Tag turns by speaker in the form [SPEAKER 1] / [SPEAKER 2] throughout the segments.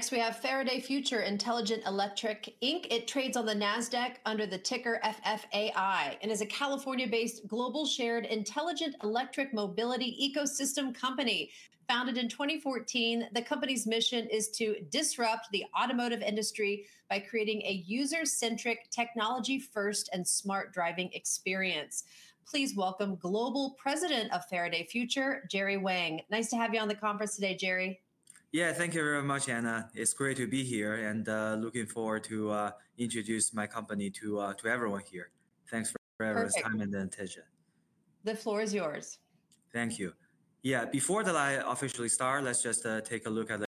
[SPEAKER 1] Next, we have Faraday Future Intelligent Electric Inc. It trades on the NASDAQ under the ticker FFAI and is a California-based global shared intelligent electric mobility ecosystem company. Founded in 2014, the company's mission is to disrupt the automotive industry by creating a user-centric, technology-first, and smart driving experience. Please welcome Global President of Faraday Future, Jerry Wang. Nice to have you on the conference today, Jerry.
[SPEAKER 2] Yeah, thank you very much, Anna. It's great to be here and looking forward to introduce my company to everyone here. Thanks for everyone's time and attention.
[SPEAKER 1] The floor is yours.
[SPEAKER 2] Thank you. Yeah, before the live officially starts, let's just take a look at.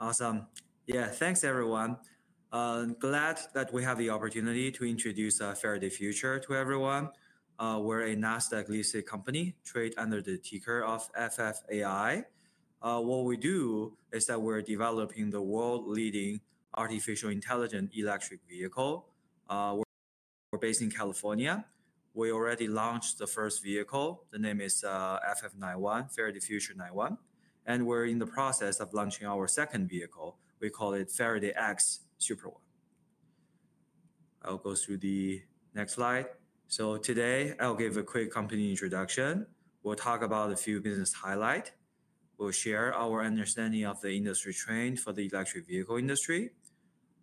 [SPEAKER 2] Awesome. Yeah, thanks everyone. Glad that we have the opportunity to introduce Faraday Future to everyone. We're a NASDAQ-listed company traded under the ticker of FFAI. What we do is that we're developing the world-leading artificial intelligent electric vehicle. We're based in California. We already launched the first vehicle. The name is FF91, Faraday Future 91. And we're in the process of launching our second vehicle. We call it Faraday X Super One. I'll go through the next slide. Today, I'll give a quick company introduction. We'll talk about a few business highlights. We'll share our understanding of the industry trends for the electric vehicle industry.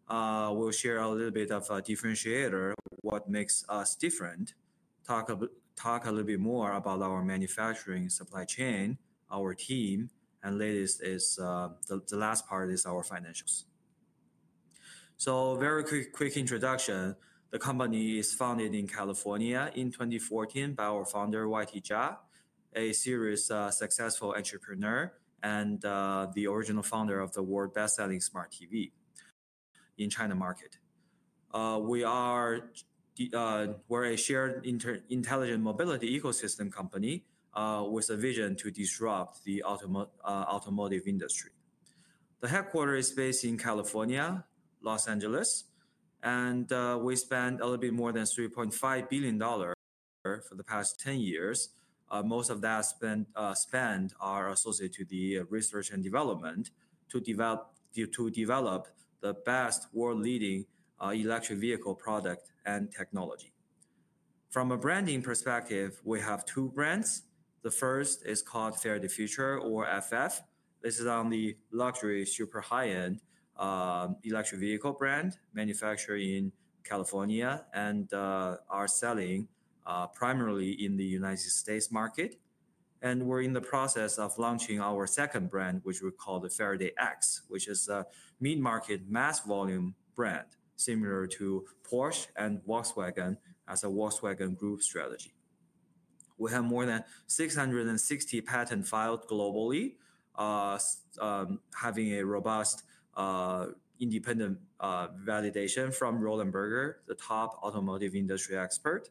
[SPEAKER 2] We'll share a little bit of a differentiator, what makes us different, talk a little bit more about our manufacturing supply chain, our team, and the last part is our financials. Very quick introduction. The company is founded in California in 2014 by our founder, YT Jia, a serious successful entrepreneur and the original founder of the world's best-selling smart TV in the China market. We're a shared intelligent mobility ecosystem company with a vision to disrupt the automotive industry. The headquarters is based in California, Los Angeles. We spent a little bit more than $3.5 billion for the past 10 years. Most of that spend is associated with the research and development to develop the best world-leading electric vehicle product and technology. From a branding perspective, we have two brands. The first is called Faraday Future, or FF. This is on the luxury super high-end electric vehicle brand manufactured in California and are selling primarily in the United States market. We're in the process of launching our second brand, which we call the Faraday X, which is a mid-market mass volume brand similar to Porsche and Volkswagen as a Volkswagen Group strategy. We have more than 660 patents filed globally, having a robust independent validation from Roland Berger, the top automotive industry expert.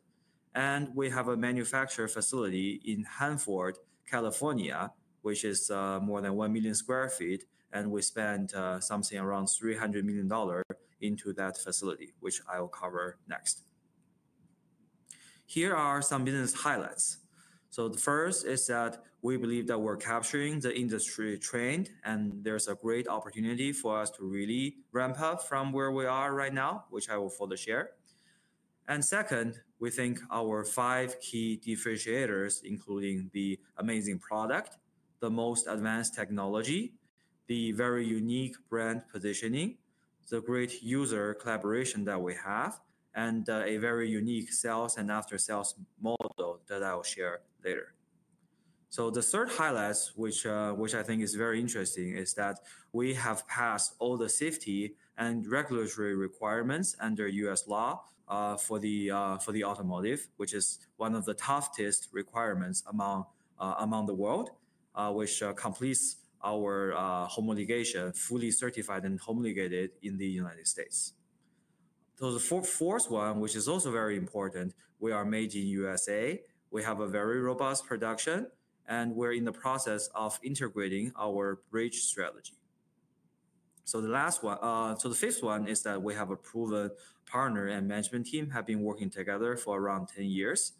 [SPEAKER 2] We have a manufacturer facility in Hanford, California, which is more than 1 million sq ft. We spent something around $300 million into that facility, which I'll cover next. Here are some business highlights. The first is that we believe that we're capturing the industry trend and there's a great opportunity for us to really ramp up from where we are right now, which I will further share. We think our five key differentiators, including the amazing product, the most advanced technology, the very unique brand positioning, the great user collaboration that we have, and a very unique sales and after-sales model that I'll share later. The third highlight, which I think is very interesting, is that we have passed all the safety and regulatory requirements under U.S. law for the automotive, which is one of the toughest requirements among the world, which completes our homologation, fully certified and homologated in the United States. The fourth one, which is also very important, we are made in the U.S. We have a very robust production, and we're in the process of integrating our bridge strategy. The last one, the fifth one, is that we have a proven partner and management team that have been working together for around 10 years.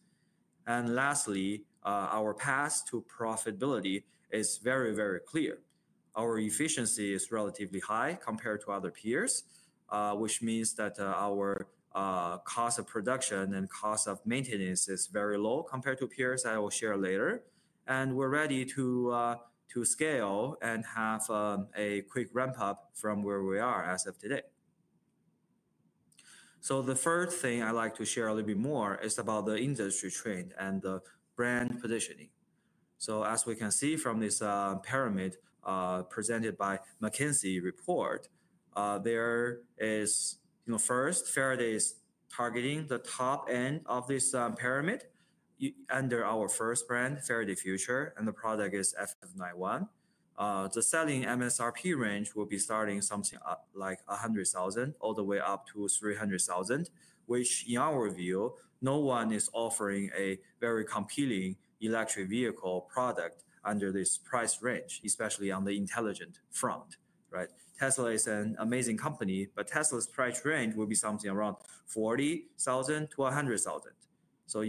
[SPEAKER 2] Lastly, our path to profitability is very, very clear. Our efficiency is relatively high compared to other peers, which means that our cost of production and cost of maintenance is very low compared to peers that I will share later. We are ready to scale and have a quick ramp up from where we are as of today. The third thing I would like to share a little bit more is about the industry trend and the brand positioning. As we can see from this pyramid presented by the McKinsey report, first, Faraday is targeting the top end of this pyramid under our first brand, Faraday Future, and the product is FF91. The selling MSRP range will be starting something like $100,000 all the way up to $300,000, which in our view, no one is offering a very competing electric vehicle product under this price range, especially on the intelligent front. Tesla is an amazing company, but Tesla's price range will be something around $40,000-$100,000.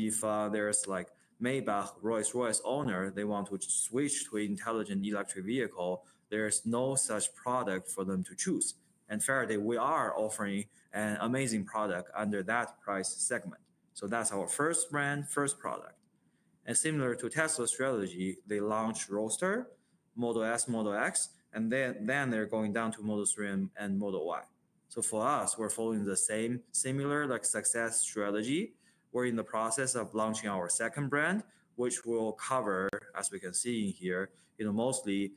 [SPEAKER 2] If there is like Maybach, Rolls-Royce owner, they want to switch to an intelligent electric vehicle, there is no such product for them to choose. Faraday, we are offering an amazing product under that price segment. That is our first brand, first product. Similar to Tesla's strategy, they launched Roadster, Model S, Model X, and then they are going down to Model 3 and Model Y. For us, we are following the same similar success strategy. We're in the process of launching our second brand, which we'll cover, as we can see here, mostly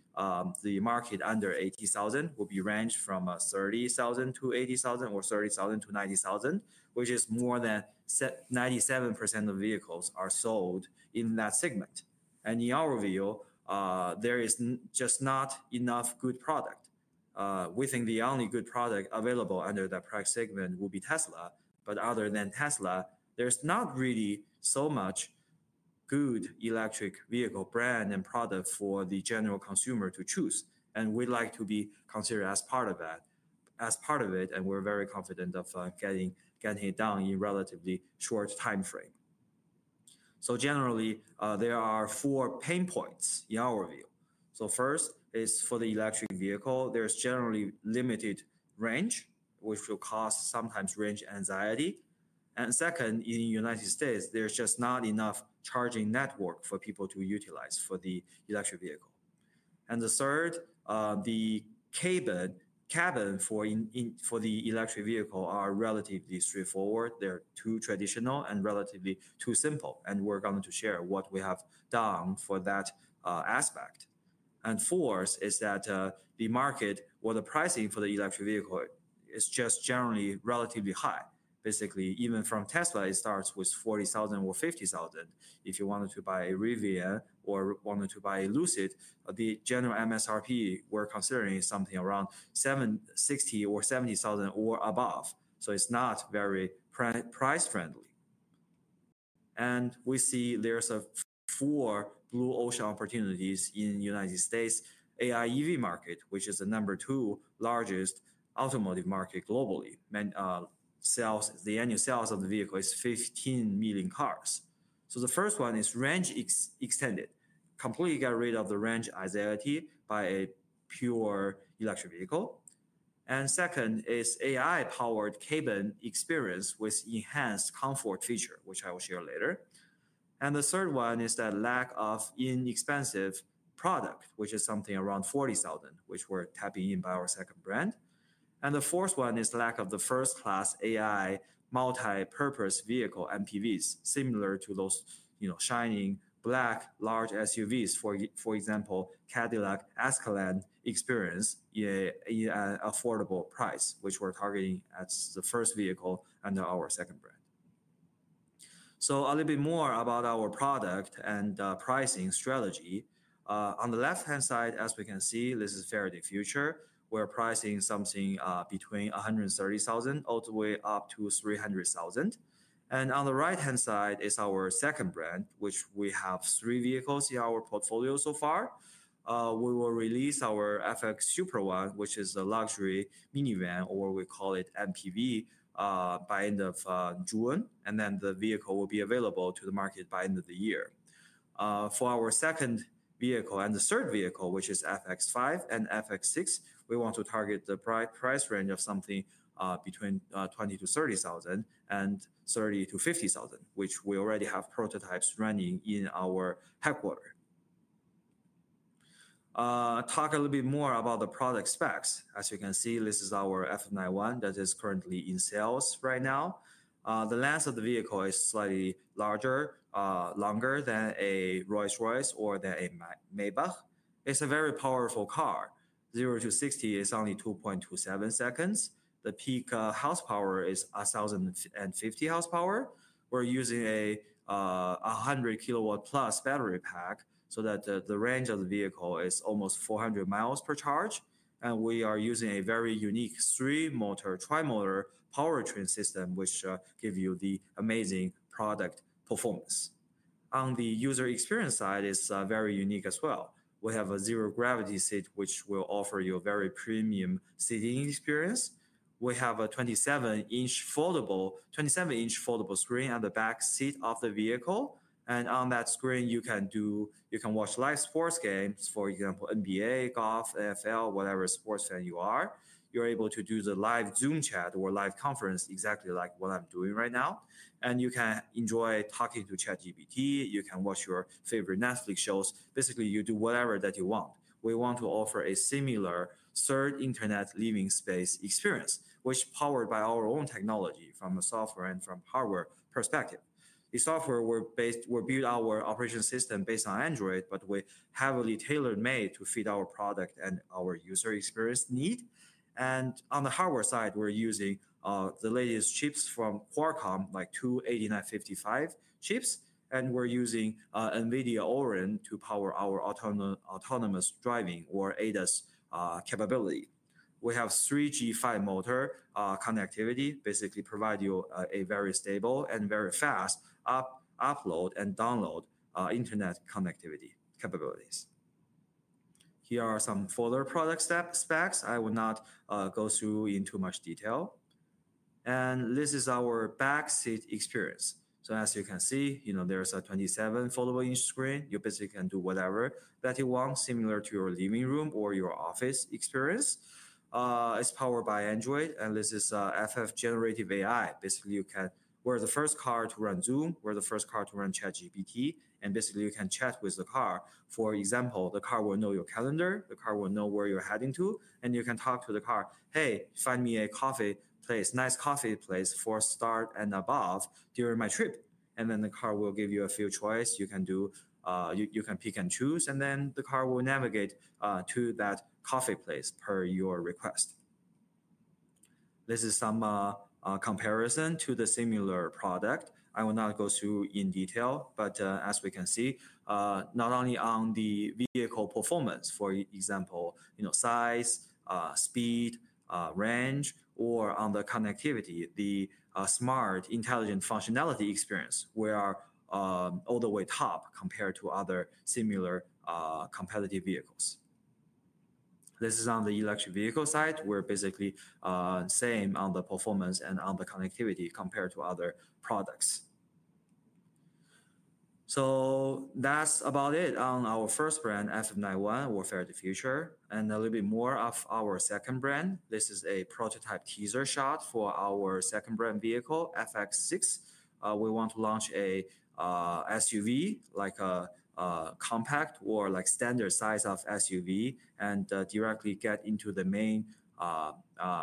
[SPEAKER 2] the market under $80,000, will be ranged from $30,000-$80,000 or $30,000-$90,000, which is more than 97% of vehicles are sold in that segment. In our view, there is just not enough good product. We think the only good product available under that price segment will be Tesla. Other than Tesla, there's not really so much good electric vehicle brand and product for the general consumer to choose. We'd like to be considered as part of that, as part of it, and we're very confident of getting it done in a relatively short time frame. Generally, there are four pain points in our view. First is for the electric vehicle, there's generally limited range, which will cause sometimes range anxiety. Second, in the United States, there's just not enough charging network for people to utilize for the electric vehicle. The third, the cabin for the electric vehicle are relatively straightforward. They're too traditional and relatively too simple. We're going to share what we have done for that aspect. Fourth is that the market, or the pricing for the electric vehicle, is just generally relatively high. Basically, even from Tesla, it starts with $40,000 or $50,000. If you wanted to buy a Rivian or wanted to buy a Lucid, the general MSRP we're considering is something around $60,000 or $70,000 or above. It's not very price friendly. We see there's four blue ocean opportunities in the United States. AI EV market, which is the number two largest automotive market globally, sells the annual sales of the vehicle is 15 million cars. The first one is range extended, completely get rid of the range anxiety by a pure electric vehicle. The second is AI powered cabin experience with enhanced comfort feature, which I will share later. The third one is that lack of inexpensive product, which is something around $40,000, which we're tapping in by our second brand. The fourth one is lack of the first class AI multi-purpose vehicle MPVs, similar to those shining black large SUVs, for example, Cadillac Escalade experience at an affordable price, which we're targeting as the first vehicle under our second brand. A little bit more about our product and pricing strategy. On the left-hand side, as we can see, this is Faraday Future. We're pricing something between $130,000 all the way up to $300,000. On the right-hand side is our second brand, which we have three vehicles in our portfolio so far. We will release our FX Super One, which is a luxury minivan, or we call it MPV, by the end of June. The vehicle will be available to the market by the end of the year. For our second vehicle and the third vehicle, which is FX 5 and FX 6, we want to target the price range of something between $20,000-$30,000 and $30,000-$50,000, which we already have prototypes running in our headquarters. Talk a little bit more about the product specs. As you can see, this is our FF91 that is currently in sales right now. The length of the vehicle is slightly larger, longer than a Rolls-Royce or than a Maybach. It's a very powerful car 0mph-60mph is only 2.27 seconds. The peak horsepower is 1,050 horsepower. We're using a 100 kilowatt plus battery pack so that the range of the vehicle is almost 400 miles per charge. We are using a very unique three-motor tri-motor powertrain system, which gives you the amazing product performance. On the user experience side, it's very unique as well. We have a zero gravity seat, which will offer you a very premium seating experience. We have a 27-inch foldable screen on the back seat of the vehicle. On that screen, you can watch live sports games, for example, NBA, golf, NFL, whatever sports fan you are. You're able to do the live Zoom chat or live conference exactly like what I'm doing right now. You can enjoy talking to ChatGPT. You can watch your favorite Netflix shows. Basically, you do whatever that you want. We want to offer a similar third internet living space experience, which is powered by our own technology from a software and from hardware perspective. The software, we're built our operating system based on Android, but we heavily tailor-made to fit our product and our user experience need. On the hardware side, we're using the latest chips from Qualcomm, like two 8155p chips. We're using NVIDIA Orin to power our autonomous driving or ADAS capability. We have 3G 5-motor connectivity, basically providing you a very stable and very fast upload and download internet connectivity capabilities. Here are some further product specs. I will not go through into much detail. This is our back seat experience. As you can see, there's a 27-foldable inch screen. You basically can do whatever that you want, similar to your living room or your office experience. It's powered by Android. This is FF Generative AI. Basically, you can—we're the first car to run Zoom. We're the first car to run ChatGPT. Basically, you can chat with the car. For example, the car will know your calendar. The car will know where you're heading to. You can talk to the car, "Hey, find me a coffee place, nice coffee place for start and above during my trip." The car will give you a few choices. You can pick and choose. The car will navigate to that coffee place per your request. This is some comparison to the similar product. I will not go through in detail. As we can see, not only on the vehicle performance, for example, size, speed, range, or on the connectivity, the smart intelligent functionality experience, we are all the way top compared to other similar competitive vehicles. This is on the electric vehicle side. We're basically same on the performance and on the connectivity compared to other products. That's about it on our first brand, FF91 or Faraday Future. A little bit more of our second brand. This is a prototype teaser shot for our second brand vehicle, FX 6. We want to launch an SUV, like a compact or like standard size of SUV, and directly get into the main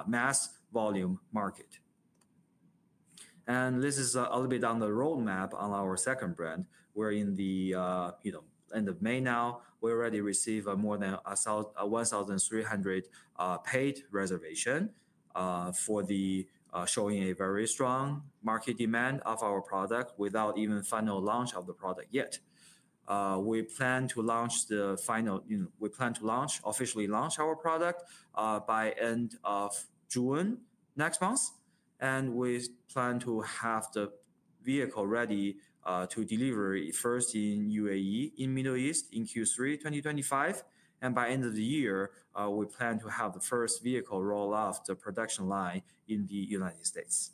[SPEAKER 2] mass volume market. This is a little bit on the roadmap on our second brand. We're in the end of May now. We already received more than 1,300 paid reservations, showing a very strong market demand of our product without even final launch of the product yet. We plan to officially launch our product by the end of June next month. We plan to have the vehicle ready to deliver first in the U.A.E., in the Middle East, in Q3 2025. By the end of the year, we plan to have the first vehicle roll off the production line in the United States.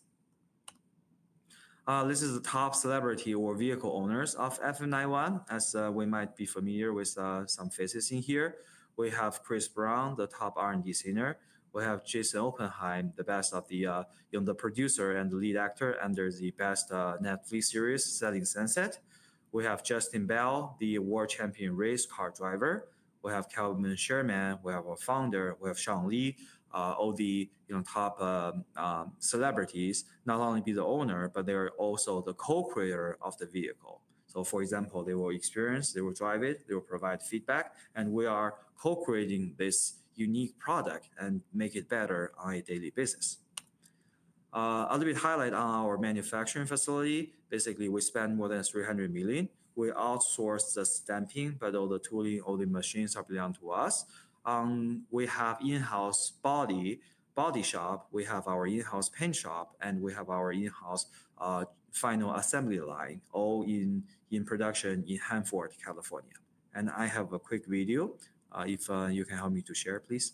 [SPEAKER 2] This is the top celebrity or vehicle owners of FF91, as we might be familiar with some faces in here. We have Chris Brown, the top R&B singer. We have Jason Oppenheim, the best of the producer and the lead actor under the best Netflix series, Selling Sunset. We have Justin Bell, the world champion race car driver. We have Kelvin Sherman. We have our founder. We have Sean Lee, all the top celebrities, not only be the owner, but they're also the co-creator of the vehicle. For example, they will experience, they will drive it, they will provide feedback. We are co-creating this unique product and make it better on a daily basis. A little bit highlight on our manufacturing facility. Basically, we spend more than $300 million. We outsource the stamping, but all the tooling, all the machines are belong to us. We have in-house body shop. We have our in-house paint shop. We have our in-house final assembly line, all in production in Hanford, California. I have a quick video. If you can help me to share, please.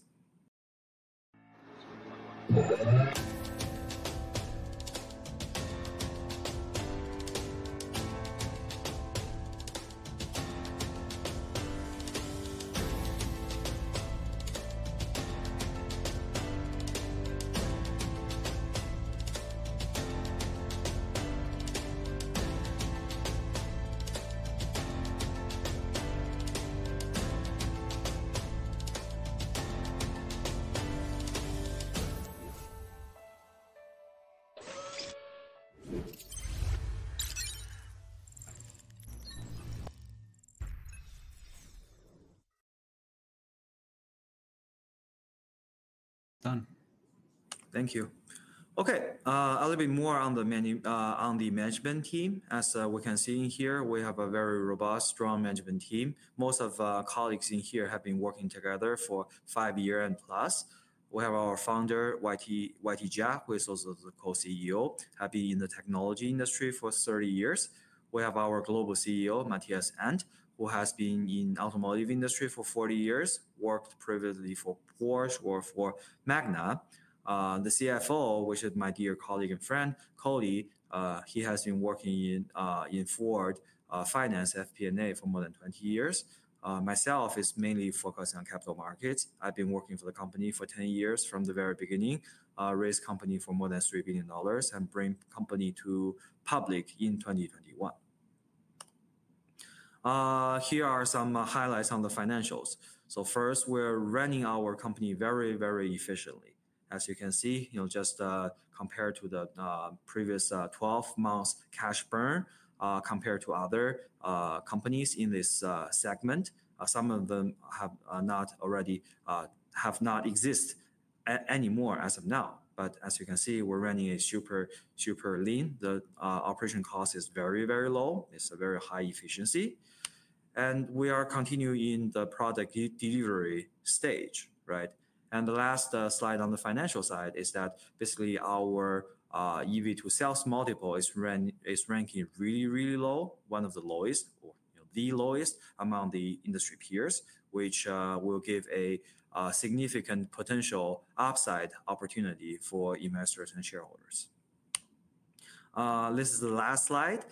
[SPEAKER 2] Thank you. OK, a little bit more on the management team. As we can see in here, we have a very robust, strong management team. Most of our colleagues in here have been working together for five years and plus. We have our founder, YT Jia, who is also the co-CEO, has been in the technology industry for 30 years. We have our global CEO, Matthias Aydt, who has been in the automotive industry for 40 years, worked previously for Porsche or for Magna. The CFO, which is my dear colleague and friend, Koti, he has been working in Ford Finance, FP&A, for more than 20 years. Myself is mainly focused on capital markets. I've been working for the company for 10 years from the very beginning, raised company for more than $3 billion, and bring company to public in 2021. Here are some highlights on the financials. First, we're running our company very, very efficiently. As you can see, just compared to the previous 12 months cash burn compared to other companies in this segment, some of them have not existed anymore as of now. As you can see, we're running a super lean. The operation cost is very, very low. It's a very high efficiency. We are continuing the product delivery stage. The last slide on the financial side is that basically our EV to sales multiple is ranking really, really low, one of the lowest, or the lowest among the industry peers, which will give a significant potential upside opportunity for investors and shareholders. This is the last slide.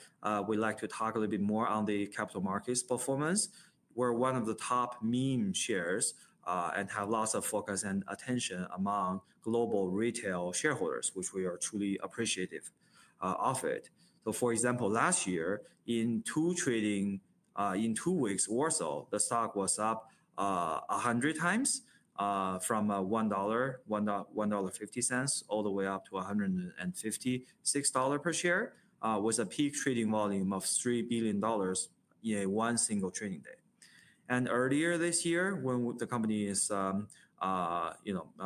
[SPEAKER 2] We'd like to talk a little bit more on the capital markets performance. We're one of the top meme shares and have lots of focus and attention among global retail shareholders, which we are truly appreciative of it. For example, last year, in two trading, in two weeks or so, the stock was up 100 times from $1.50 all the way up to $156 per share with a peak trading volume of $3 billion in a single trading day. Earlier this year, when the company is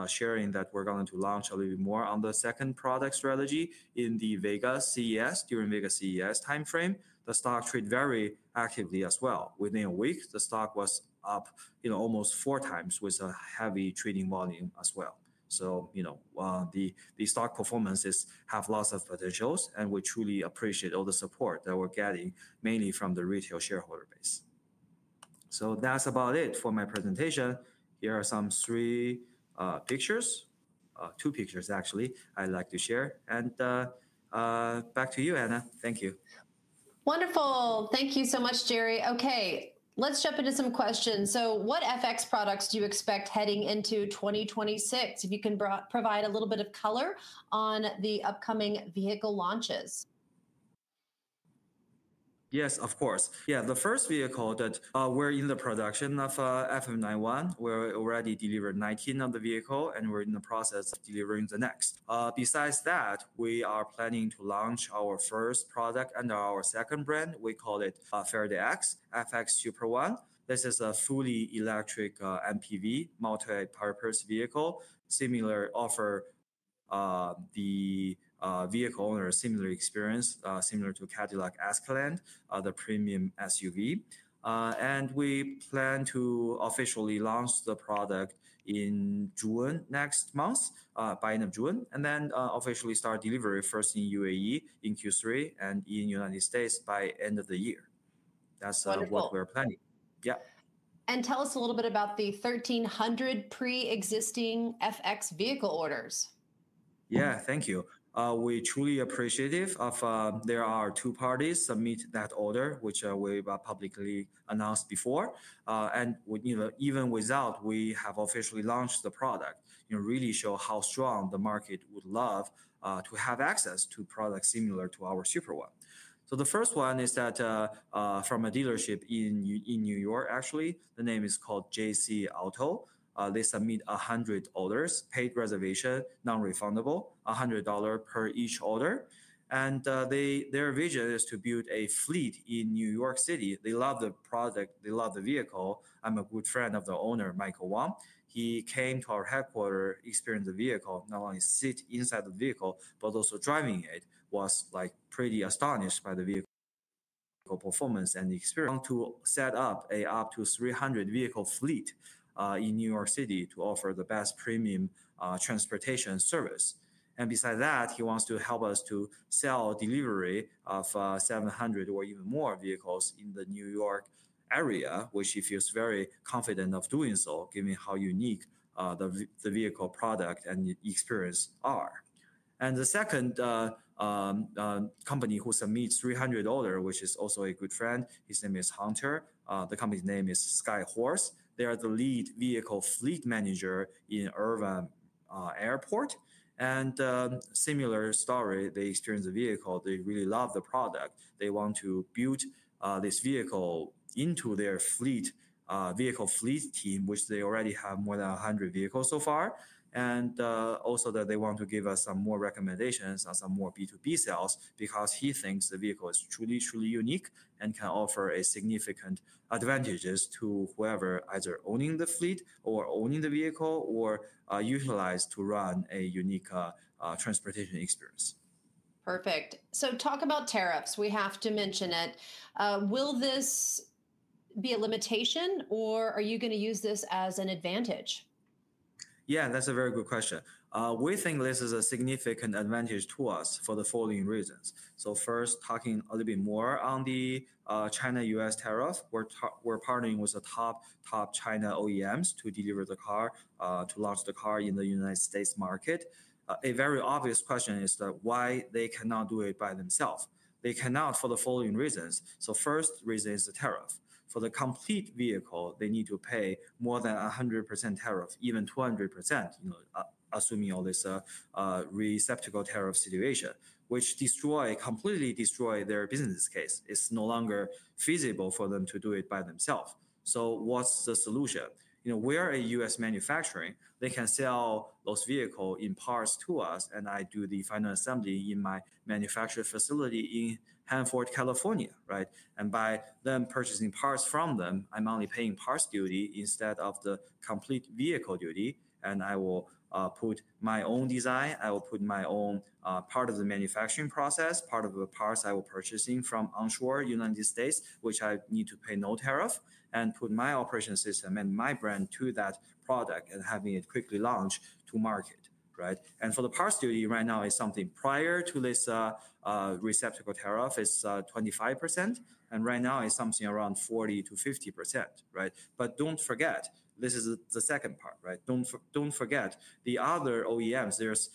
[SPEAKER 2] sharing that we're going to launch a little bit more on the second product strategy in the Vegas CES, during Vegas CES time frame, the stock traded very actively as well. Within a week, the stock was up almost four times with a heavy trading volume as well. The stock performances have lots of potentials. We truly appreciate all the support that we're getting, mainly from the retail shareholder base. That's about it for my presentation. Here are some three pictures, two pictures actually, I'd like to share. Back to you, Anna. Thank you.
[SPEAKER 1] Wonderful. Thank you so much, Jerry. OK, let's jump into some questions. What FX products do you expect heading into 2026? If you can provide a little bit of color on the upcoming vehicle launches.
[SPEAKER 2] Yes, of course. Yeah, the first vehicle that we're in the production of, FF91, we've already delivered 19 of the vehicle. We're in the process of delivering the next. Besides that, we are planning to launch our first product under our second brand. We call it Faraday X, FX Super One. This is a fully electric MPV, multi-purpose vehicle, offer the vehicle owners similar experience, similar to Cadillac Escalade, the premium SUV. We plan to officially launch the product in June next month, by the end of June, and then officially start delivery first in U.A.E., in Q3, and in the United States by the end of the year. That's what we're planning. Yeah.
[SPEAKER 1] Tell us a little bit about the 1,300 pre-existing FX vehicle orders.
[SPEAKER 2] Yeah, thank you. We're truly appreciative of there are two parties submitting that order, which we've publicly announced before. Even without, we have officially launched the product and really show how strong the market would love to have access to products similar to our Super One. The first one is that from a dealership in New York, actually. The name is called JC Auto. They submit 100 orders, paid reservation, non-refundable, $100 per each order. Their vision is to build a fleet in New York City. They love the product. They love the vehicle. I'm a good friend of the owner, Michael Wang. He came to our headquarters, experienced the vehicle, not only sit inside the vehicle, but also driving it, was like pretty astonished by the vehicle performance and the experience. Want to set up an up to 300 vehicle fleet in New York City to offer the best premium transportation service. Beside that, he wants to help us to sell delivery of 700 or even more vehicles in the New York area, which he feels very confident of doing so, given how unique the vehicle product and experience are. The second company who submits 300 order, which is also a good friend, his name is Hunter. The company's name is Sky Horse. They are the lead vehicle fleet manager in Irvine Airport. Similar story, they experience the vehicle. They really love the product. They want to build this vehicle into their vehicle fleet team, which they already have more than 100 vehicles so far. Also, they want to give us some more recommendations on some more B2B sales because he thinks the vehicle is truly, truly unique and can offer significant advantages to whoever is either owning the fleet or owning the vehicle or utilizing it to run a unique transportation experience.
[SPEAKER 1] Perfect. Talk about tariffs. We have to mention it. Will this be a limitation? Are you going to use this as an advantage?
[SPEAKER 2] That is a very good question. We think this is a significant advantage to us for the following reasons. First, talking a little bit more on the China-U.S. tariff. We are partnering with the top China OEMs to deliver the car, to launch the car in the United States market. A very obvious question is why they cannot do it by themselves. They cannot for the following reasons. The first reason is the tariff. For the complete vehicle, they need to pay more than 100% tariff, even 200%, assuming all this receptacle tariff situation, which completely destroys their business case. It's no longer feasible for them to do it by themselves. What's the solution? We are a U.S. manufacturing. They can sell those vehicles in parts to us. I do the final assembly in my manufacturer facility in Hanford, California. By them purchasing parts from them, I'm only paying parts duty instead of the complete vehicle duty. I will put my own design. I will put my own part of the manufacturing process, part of the parts I will be purchasing from onshore United States, which I need to pay no tariff, and put my operation system and my brand to that product and having it quickly launched to market. For the parts duty right now, it is something prior to this receptacle tariff, it's 25%. Right now, it's something around 40%-50%. Don't forget, this is the second part. Don't forget the other OEMs. There's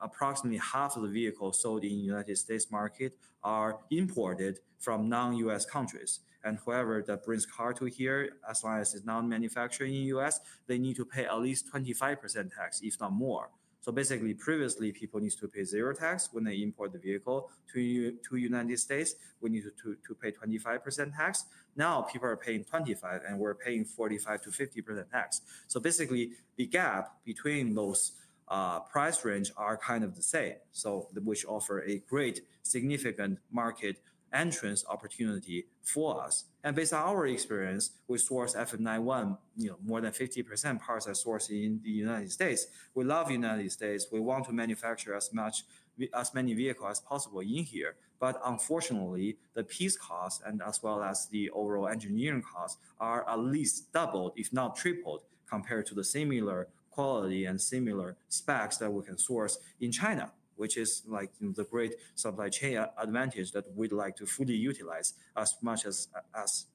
[SPEAKER 2] approximately half of the vehicles sold in the U.S. market that are imported from non-U.S. countries. Whoever brings a car here, as long as it's not manufactured in the U.S., they need to pay at least 25% tax, if not more. Basically, previously, people needed to pay zero tax when they imported the vehicle to the United States. We needed to pay 25% tax. Now people are paying 25%, and we're paying 45%-50% tax. Basically, the gap between those price ranges is kind of the same, which offers a great significant market entrance opportunity for us. Based on our experience, we source FF91, more than 50% parts are sourced in the United States. We love the United States. We want to manufacture as many vehicles as possible in here. Unfortunately, the piece cost and as well as the overall engineering cost are at least doubled, if not tripled, compared to the similar quality and similar specs that we can source in China, which is like the great supply chain advantage that we would like to fully utilize as much as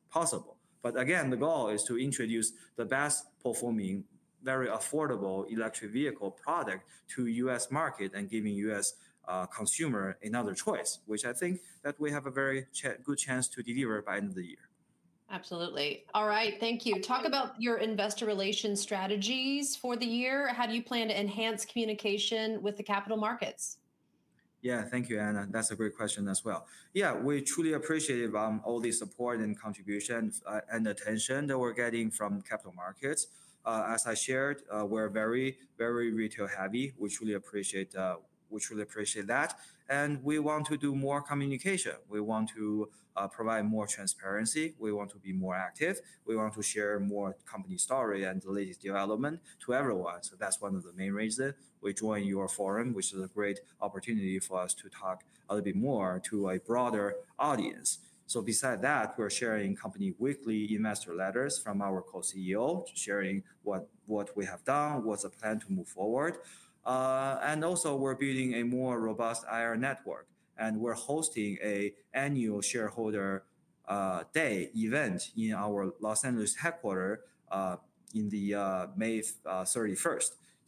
[SPEAKER 2] possible. Again, the goal is to introduce the best performing, very affordable electric vehicle product to the U.S. market and giving U.S. consumers another choice, which I think that we have a very good chance to deliver by the end of the year.
[SPEAKER 1] Absolutely. All right, thank you. Talk about your investor relations strategies for the year. How do you plan to enhance communication with the capital markets?
[SPEAKER 2] Yeah, thank you, Anna. That's a great question as well. Yeah, we truly appreciate all the support and contributions and attention that we're getting from capital markets. As I shared, we're very, very retail heavy. We truly appreciate that. We want to do more communication. We want to provide more transparency. We want to be more active. We want to share more company story and the latest development to everyone. That's one of the main reasons we joined your forum, which is a great opportunity for us to talk a little bit more to a broader audience. Beside that, we're sharing company weekly investor letters from our co-CEO, sharing what we have done, what's the plan to move forward. Also, we're building a more robust IR network. We are hosting an Annual Shareholder Day Event in our Los Angeles headquarters on May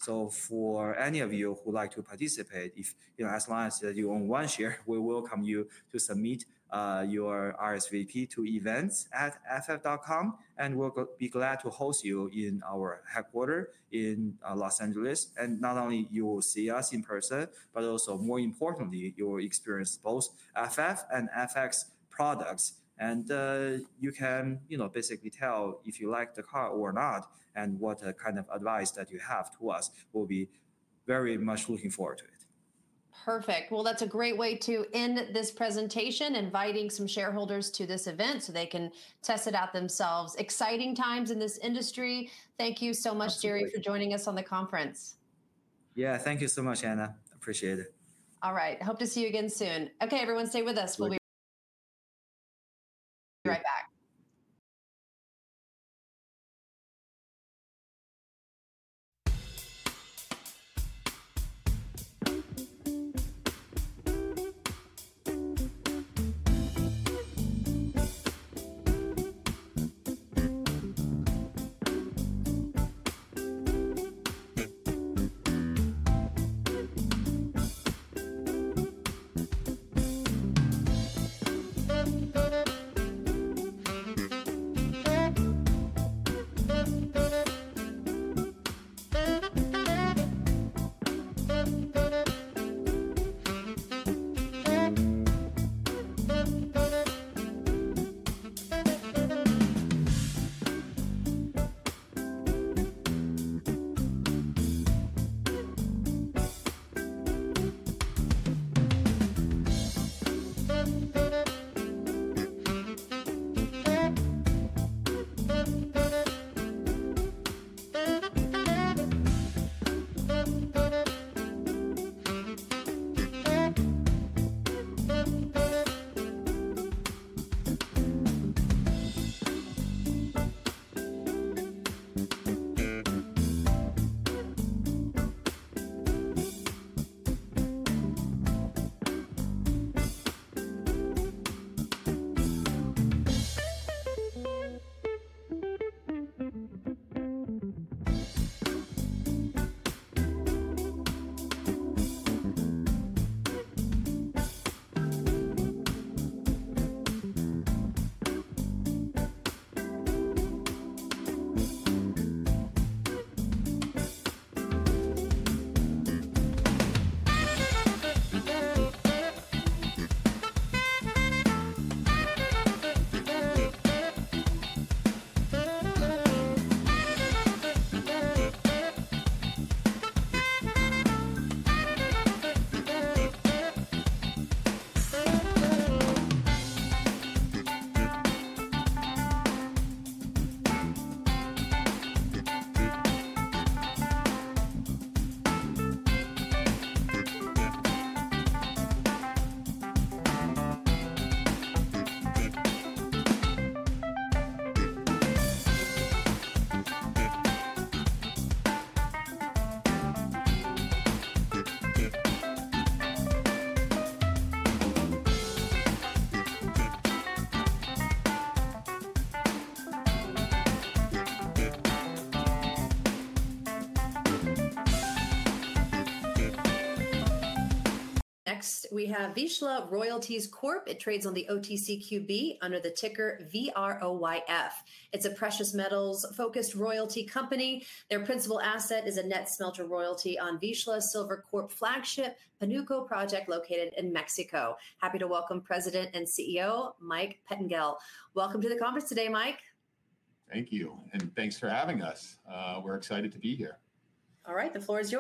[SPEAKER 2] 31. For any of you who would like to participate, as long as you own one share, we welcome you to submit your RSVP to events@ff.com. We will be glad to host you in our headquarters in Los Angeles. Not only will you see us in person, but also, more importantly, you will experience both FF and FX products. You can basically tell if you like the car or not and what kind of advice you have for us. We will be very much looking forward to it.
[SPEAKER 1] Perfect. That is a great way to end this presentation, inviting some shareholders to this event so they can test it out themselves. Exciting times in this industry. Thank you so much, Jerry, for joining us on the conference.
[SPEAKER 2] Yeah, thank you so much, Anna. Appreciate it.
[SPEAKER 1] All right, hope to see you again soon. OK, everyone, stay with us. We'll be right back. Next, we have Vizsla Royalties Corp. It trades on the OTCQB under the ticker VROYF. It's a precious metals-focused royalty company. Their principal asset is a net smelter royalty on Vizsla Silver Corp flagship, Panuco Project located in Mexico. Happy to welcome President and CEO Mike Pettingell. Welcome to the conference today, Mike.
[SPEAKER 3] Thank you. And thanks for having us. We're excited to be here. All right, the floor is yours.